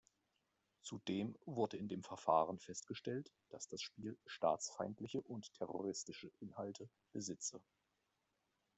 Zudem wurde in dem Verfahren festgestellt, dass das Spiel "staatsfeindliche und terroristische Inhalte" besitze.